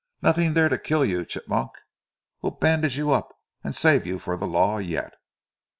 "Nothing there to kill you, Chigmok. We'll bandage you up, and save you for the Law yet?"